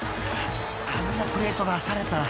［あんなプレート出されたら］